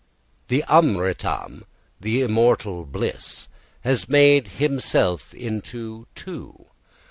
The amritam, the immortal bliss, has made himself into two.